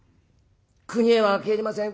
「国へは帰りません。